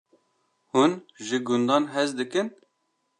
Hûn ji gundan hez dikin?